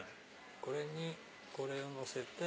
これにこれをのせて。